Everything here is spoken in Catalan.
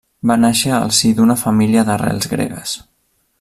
Va nàixer al si d'una família d'arrels gregues.